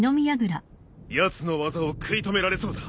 やつの技を食い止められそうだ。